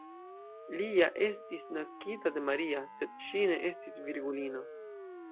Li ja estis naskita de Maria, sed ŝi ne estis virgulino.